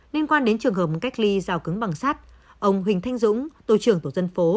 liên quan đến trường hợp cách ly giao cứng bằng sắt ông huỳnh thanh dũng tổ trưởng tổ dân phố ba mươi bảy